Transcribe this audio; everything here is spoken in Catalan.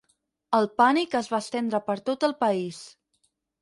El pànic es va estendre per tot el país.